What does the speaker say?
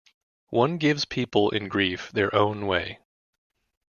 One gives people in grief their own way.